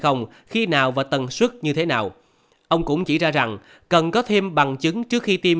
không khi nào và tần sức như thế nào ông cũng chỉ ra rằng cần có thêm bằng chứng trước khi tiêm